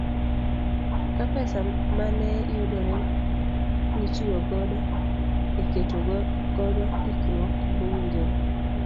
Ka pesa mane yudore nitiyo godo e keto godo ikruok mowinjore.